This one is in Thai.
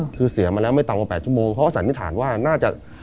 คือเสียมาแล้วไม่ต่ำกว่า๘ชั่วโมงเขาก็สันนิษฐานว่าน่าจะ